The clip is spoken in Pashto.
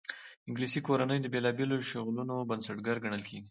انګلیسي کورنۍ د بېلابېلو شغلونو بنسټګر ګڼل کېږي.